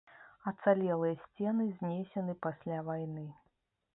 Ацалелыя сцены знесены пасля вайны.